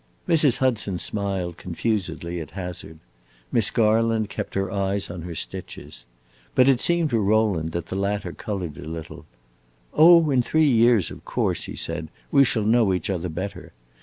Mrs. Hudson smiled confusedly, at hazard; Miss Garland kept her eyes on her stitches. But it seemed to Rowland that the latter colored a little. "Oh, in three years, of course," he said, "we shall know each other better.